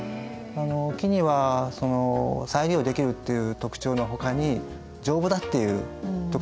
木には再利用できるっていう特長のほかに丈夫だっていう特長もありますよね。